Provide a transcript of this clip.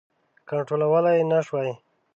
کنټرولولای نه شوای.